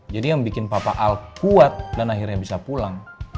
jadi yang bikin papa al kuat dan akhirnya bisa pulang